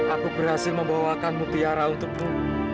aku berhasil membawakanmu tiara untukmu